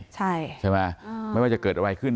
ใช่ไหมไม่ว่าจะเกิดอะไรขึ้น